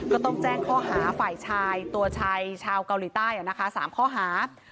ก็ต้องแจ้งข้อหาฝ่ายชายตัวชายชาวเกาหลีใต้๓ข้อหา